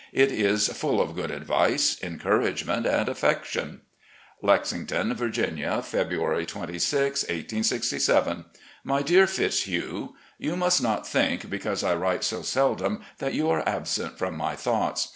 It is full of good advice, encouragement, and affection: "Lexington, Virginia, February 26, 1867. "My Dear Fitzhugh: You must not think because I write so seldom that you are absent from my thoughts.